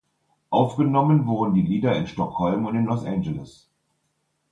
Aufgenommen wurden die Lieder in Stockholm und in Los Angeles.